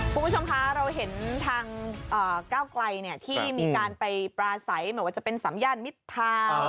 ผมชมฮาเราเห็นทางก้าวไกลเนี่ยที่มีการไปปลาใส่เหมือนว่าจะเป็นสามย่านมิดทาง